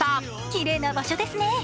きれいな場所ですね。